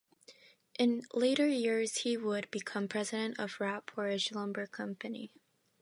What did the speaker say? In later years, he would become President of Rat Portage Lumber Company.